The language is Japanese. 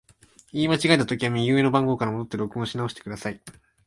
言い間違えたときは、右上の番号から戻って録音し直してください。